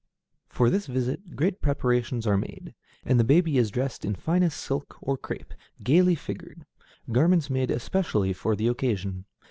For this visit great preparations are made, and the baby is dressed in finest silk or crêpe, gayly figured, garments made especially for the occasion.